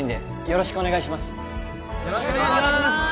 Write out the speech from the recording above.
よろしくお願いします！